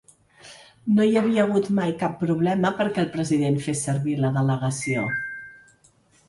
No hi havia hagut mai cap problema perquè el president fes servir la delegació.